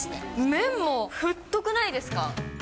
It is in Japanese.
麺もふっとくないですか？